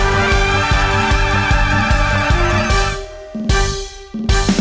สวัสดีค่ะสวัสดีค่ะ